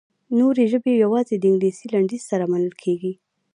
نورې ژبې یوازې د انګلیسي لنډیز سره منل کیږي.